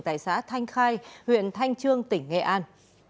tại xã thanh khai huyện thanh trương tỉnh nghệ an